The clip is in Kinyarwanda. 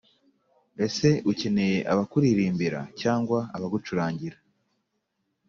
ese ukeneye abakuririmbira cyangwa abagucurangira